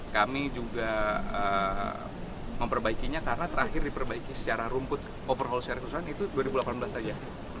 kami juga memperbaikinya karena terakhir diperbaiki secara rumput overhaul secara keseluruhan itu dua ribu delapan belas saja